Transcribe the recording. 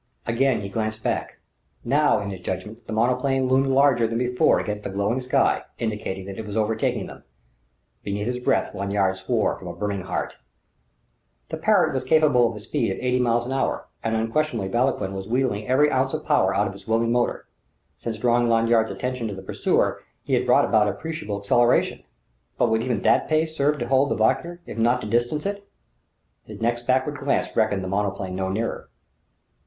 Again he glanced back. Now, in his judgment, the monoplane loomed larger than before against the glowing sky, indicating that it was overtaking them. Beneath his breath Lanyard swore from a brimming heart. The Parrott was capable of a speed of eighty miles an hour; and unquestionably Vauquelin was wheedling every ounce of power out of its willing motor. Since drawing Lanyard's attention to the pursuer he had brought about appreciable acceleration. But would even that pace serve to hold the Valkyr if not to distance it? His next backward look reckoned the monoplane no nearer.